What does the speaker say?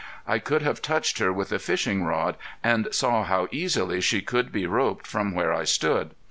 I could have touched her with a fishing rod and saw how easily she could be roped from where I stood.